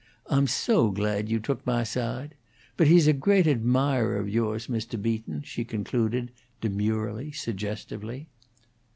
Ah'm so glad you took mah sahde. But he's a great admahrer of yours, Mr. Beaton," she concluded, demurely, suggestively.